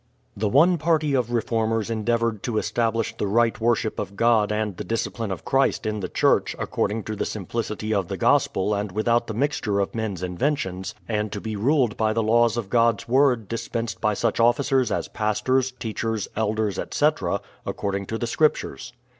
The one party of reformers endeavoured to establish the right worship of God and the discipline of Christ in the Church according to the simplicity of the gospel and with out the mixture of men's inventions, and to be ruled by the 4 BRADFORD'S HISTORY OF laws of God's word dispensed by such officers as Pastors, Teachers, Elders, etc., according to the Scriptures.